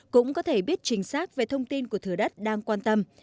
cũng có thể biết chính xác về thông tin của thừa đất đang quan tâm